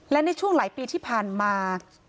และในช่วงหลายปีที่ผ่านมา